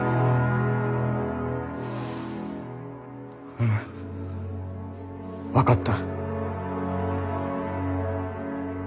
うむ分かった。